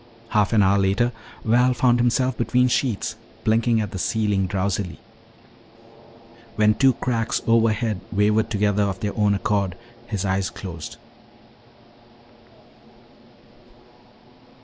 Half an hour later Val found himself between sheets, blinking at the ceiling drowsily. When two cracks overhead wavered together of their own accord, his eyes closed.